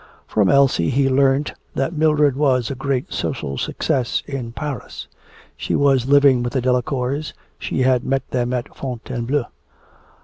From Elsie he learnt that Mildred was a great social success in Paris. She was living with the Delacours, she had met them at Fontainebleau.